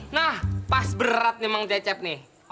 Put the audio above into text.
nah pas berat nih mang cecep nih